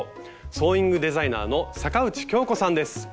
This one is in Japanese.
ソーイングデザイナーの坂内鏡子さんです。